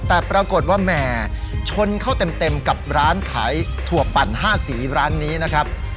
แต่ปรากฏว่าแหมชนเข้าเต็มกับร้านขายถั่วปั่น๕สีร้านนี้นะครับ